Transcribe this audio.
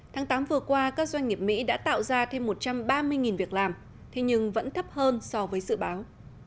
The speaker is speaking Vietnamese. tháng tám vừa qua các doanh nghiệp mỹ đã tạo ra thêm một trăm ba mươi việc làm thế nhưng vẫn thấp hơn so với dự báo